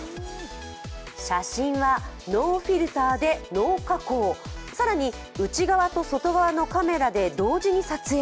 写真はノーフィルターでノー加工更に内側と外側のカメラで同時に撮影。